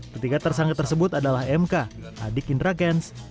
ketiga tersangka tersebut adalah mk adik indra kents